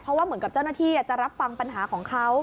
เพราะว่าเหมือนกับเจ้าหน้าที่จะรับฟังปัญหาของเขา